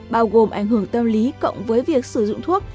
bao gồm ảnh hưởng tâm lý cộng với việc sử dụng thuốc